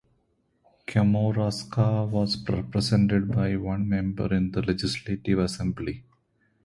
Kamouraska was represented by one member in the Legislative Assembly.